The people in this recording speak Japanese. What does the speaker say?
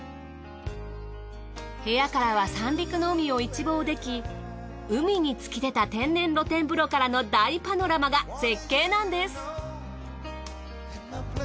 部屋からは三陸の海を一望でき海に突き出た天然露天風呂からの大パノラマが絶景なんです。